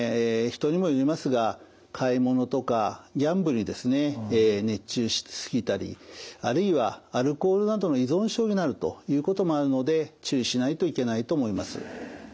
人にもよりますが買い物とかギャンブルに熱中し過ぎたりあるいはアルコールなどの依存症になるということもあるので注意しないといけないと思います。